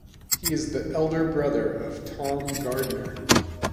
He is the elder brother of Tom Gardner.